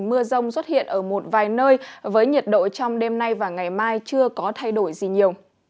mưa rông xuất hiện ở một vài nơi với nhiệt độ trong đêm nay và ngày mai chưa có thay đổi gì nhiều